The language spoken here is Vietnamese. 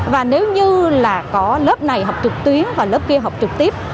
và nếu như là có lớp này học trực tuyến và lớp kia học trực tiếp